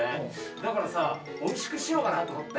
だからさおいしくしようかなと思って。